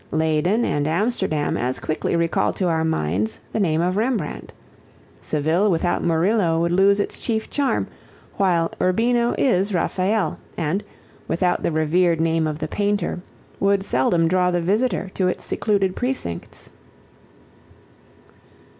Leyden and Amsterdam as quickly recall to our minds the name of Rembrandt. Seville without Murillo would lose its chief charm, while Urbino is Raphael and, without the revered name of the painter, would seldom draw the visitor to its secluded precincts.